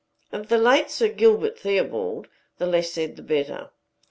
Of the late Sir Gilbert Theobald, the less said the better.